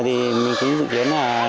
thì mình cũng dự kiến là